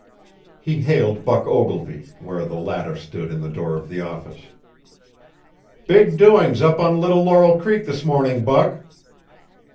He hailed Buck Ogilvy, where the latter stood in the door of the office. "Big doings up on Little Laurel Creek this morning, Buck."